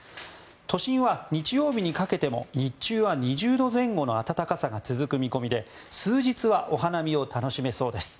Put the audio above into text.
都心は日曜日にかけても日中は２０度前後の暖かさが続く見込みで数日はお花見が楽しめそうです。